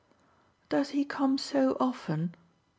"Does he come so often?"